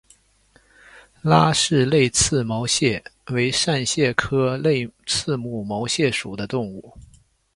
拉氏泪刺毛蟹为扇蟹科泪刺毛蟹属的动物。